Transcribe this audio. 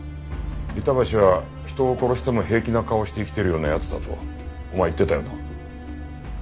板橋は人を殺しても平気な顔をして生きてるような奴だとお前言ってたよな。